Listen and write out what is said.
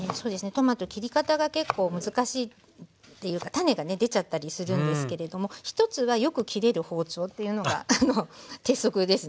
トマト切り方が結構難しいっていうか種がね出ちゃったりするんですけれども１つはよく切れる包丁っていうのが鉄則ですね。